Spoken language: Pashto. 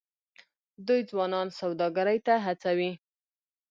دوی ځوانان سوداګرۍ ته هڅوي.